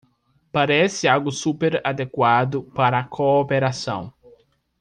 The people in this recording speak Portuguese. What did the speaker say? Parece algo super adequado para cooperação